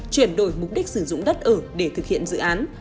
chuyển đổi mục đích sử dụng đất ở để thực hiện dự án